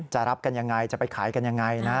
จะรับกันอย่างไรจะไปขายกันอย่างไรนะ